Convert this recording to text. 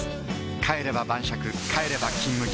帰れば晩酌帰れば「金麦」